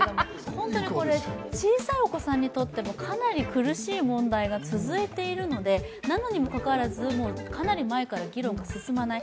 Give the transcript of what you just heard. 本当に小さいお子さんにとってもかなり苦しい問題が続いているのでなのにもかかわらず、かなり前から議論が進まない。